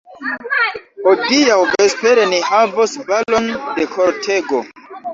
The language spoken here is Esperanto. Hodiaŭ vespere ni havos balon de kortego!